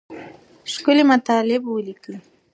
ښکلي مطالب ولیکئ.